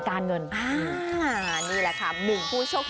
คุณคุณอำนาจเมเศษฐีค่ะ